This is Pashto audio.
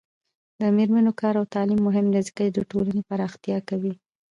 د میرمنو کار او تعلیم مهم دی ځکه چې ټولنې پراختیا کوي.